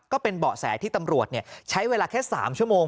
ก็เป็นเบาะแสที่ตำรวจใช้เวลาแค่๓ชั่วโมง